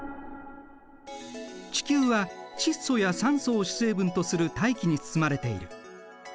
地球は窒素や酸素を主成分とする大気に包まれている。